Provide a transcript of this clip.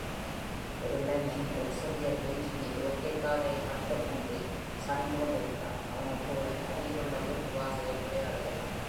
ஒரு இளைஞன் ஒரு சிறிய பெஞ்ச் மீது ஒற்றை காலை மட்டும் ஊன்றி சாய்ந்து கொண்டிருக்கிறான், அவனது தோழன் அருகிலுள்ள வீட்டு வாசலில் விளையாடுகிறான்.